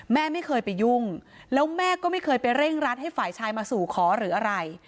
แม่ไม่เคยไปยุ่งแล้วแม่ก็ไม่เคยไปเร่งรัดให้ฝ่ายชายมาสู่ขอหรืออะไร